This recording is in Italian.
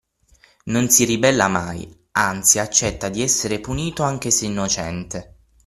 Non si ribella mai, anzi accetta di essere punito anche se innocente.